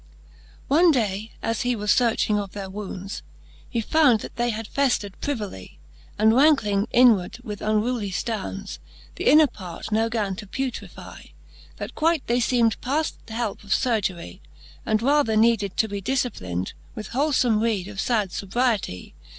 V. One day, as he was fearching of their wounds. He found that they had feftred privily, * And ranckling inward with unruly ftounds. The inner parts now gan to putrify. That quite they feem'd pad helpe of furgery, And rather needed to be difciplinde With holefome reede of fad fobriety.